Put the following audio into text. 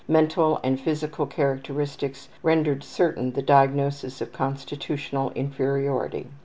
Mental and physical characteristics rendered certain the diagnosis of constitutional inferiority.